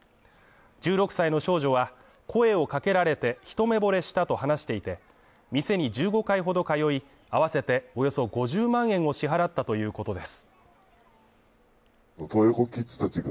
１６歳の少女は、声をかけられて一目ぼれしたと話していて、店に１５回ほど通い合わせておよそ５０万円を支払ったということです。